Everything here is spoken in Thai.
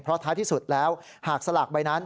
เพราะท้ายที่สุดแล้วหากสลากใบนั้น